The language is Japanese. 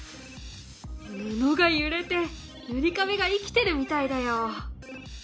布が揺れてぬりかべが生きてるみたいだよ！